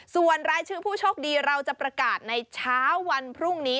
ส่วนรายชื่อผู้โชคดีเราจะประกาศในเช้าวันพรุ่งนี้